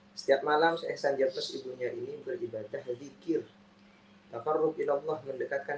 hai setiap malam sehsaniah plus ibunya ini beribadah dikir tak perlu ilah mendekatkan